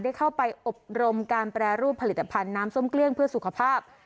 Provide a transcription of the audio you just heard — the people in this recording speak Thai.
ได้เข้าไปอบรมการแปรรูปผลิตภัณฑ์น้ำส้มเกลี้ยงเพื่อสุขภาพ